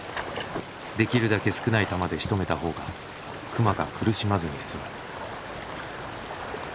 できるだけ少ない弾でしとめた方が熊が苦しまずに済む。